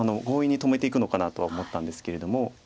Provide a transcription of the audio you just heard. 強引に止めていくのかなとは思ったんですけれども。